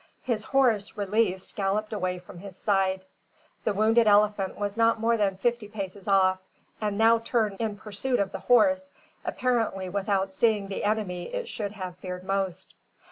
His horse, released, galloped away from his side. The wounded elephant was not more than fifty paces off, and now turned in pursuit of the horse, apparently without seeing the enemy it should have feared most.